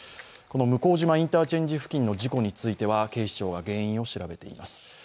この向島インターチェンジ付近の事故については警視庁が原因を調べています。